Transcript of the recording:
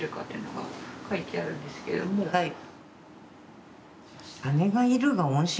はい。